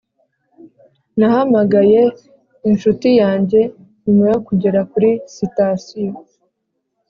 nahamagaye inshuti yanjye nyuma yo kugera kuri sitasiyo